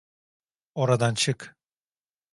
Oradan çık.